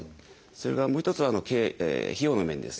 それからもう一つは費用の面ですね。